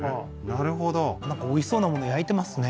なるほどなんかおいしそうなもの焼いてますね